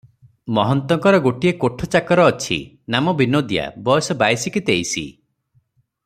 ମହନ୍ତଙ୍କର ଗୋଟିଏ କୋଠଚାକର ଅଛି, ନାମ ବିନୋଦିଆ- ବୟସ ବାଇଶ କି ତେଇଶ ।